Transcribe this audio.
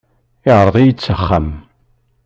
Iɛreḍ-iyi s axxam.